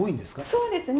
そうですね。